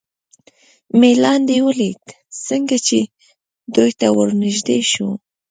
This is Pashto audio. مې لاندې ولید، څنګه چې دوی ته ور نږدې شو.